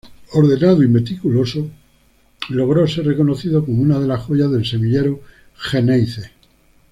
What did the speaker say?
Ordenado y meticuloso, logró ser reconocido como una de las joyas del semillero Xeneize.